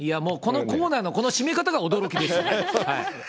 このコーナーのこの締め方が驚きですね。